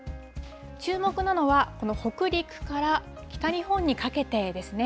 注目なのは、この北陸から北日本にかけてですね。